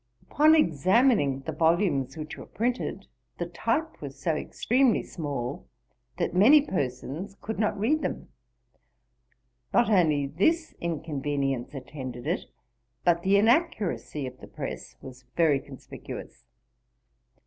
Upon examining the volumes which were printed, the type was found so extremely small, that many persons could not read them; not only this inconvenience attended it, but the inaccuracy of the press was very conspicuous.